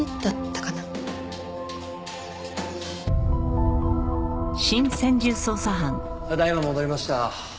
ただいま戻りました。